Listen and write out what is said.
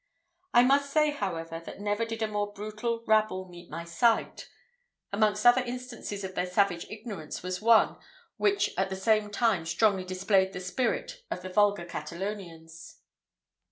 I must say, however, that never did a more brutal rabble meet my sight. Amongst other instances of their savage ignorance was one, which at the same time strongly displayed the spirit of the vulgar Catalonians.